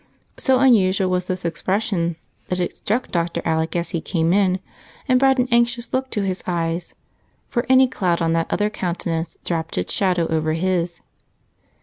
So unusual was this expression that it struck Dr. Alec as he came in and brought an anxious look to his eyes, for any cloud on that other countenance dropped its shadow over his.